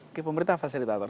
oke pemerintah fasilitator